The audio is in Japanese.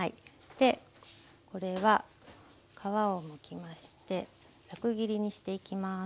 これは皮をむきましてザク切りにしていきます。